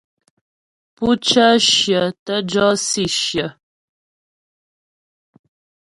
Pú cə́ shyə tə́ jɔ si shyə.